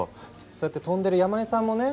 そうやって飛んでる山根さんもね